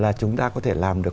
là chúng ta có thể làm được